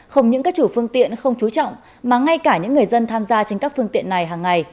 không những các chủ phương tiện không chú trọng mà ngay cả những người dân tham gia trên các phương tiện này hàng ngày